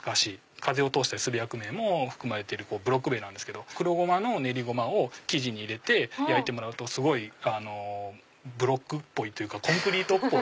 風を通したりする役目も含まれるブロック塀なんですけど黒ごまの練りごまを生地に入れて焼いてもらうとすごいブロックっぽいというかコンクリートっぽい。